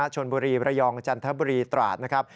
ชนบุรีระยองจันทบุรีตราดนะครับ